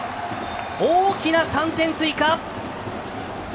大きな３点追加！